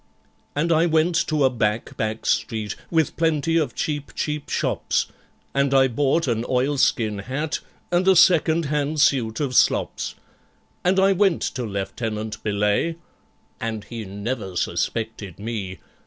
And I went to a back back street, with plenty of cheap cheap shops, And I bought an oilskin hat and a second hand suit of slops, And I went to LIEUTENANT BELAYE (and he never suspected me!)